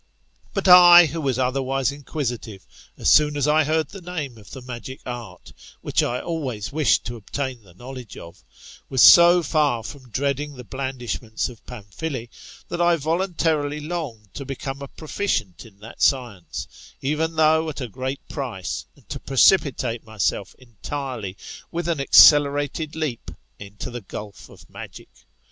But I, who was otherwise inquisitive, as soon as I heard the name of the magic art, which I always wished to obtain the knowledge of, was so far from dreading the blandishments of Pamphile, that I voluntarily longed to become a proficient in that science, even though at a great price, and to precipitate myself entirely, with an accelerated leap, into the gulf of magic.